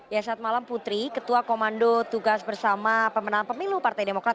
ya saat malam putri ketua komando tugas bersama pemenang pemilu partai demokrat